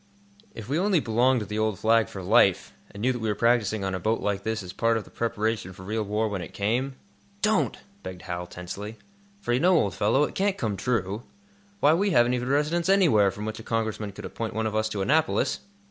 "If we only belonged to the old Flag for life, and knew that we were practising on a boat like this as a part of the preparation for real war when it came?" "Don't!" begged Hal, tensely. "For you know, old fellow, it can't come true. Why, we haven't even a residence anywhere, from which a Congressman could appoint one of us to Annapolis!"